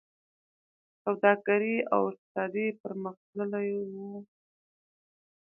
سوداګري او اقتصاد پرمختللی و